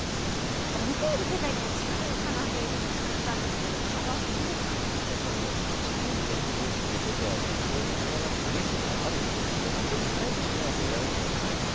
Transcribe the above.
見ている世界が違うのかなというふうに感じたんすけれどもやっぱりねチャレンジをするということはそれに伴ってミスもあるんですけれどもでも、チャレンジしないと得られるものがないので。